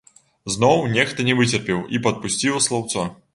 Зноў нехта не выцерпеў і падпусціў слаўцо.